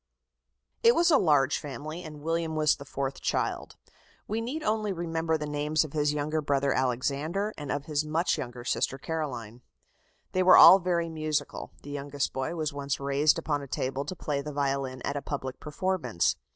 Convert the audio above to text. It was a large family, and William was the fourth child. We need only remember the names of his younger brother Alexander, and of his much younger sister Caroline. They were all very musical the youngest boy was once raised upon a table to play the violin at a public performance.